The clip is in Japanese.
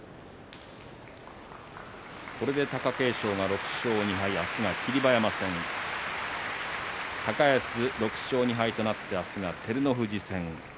これで貴景勝が６勝２敗高安６勝２敗となって明日は照ノ富士戦。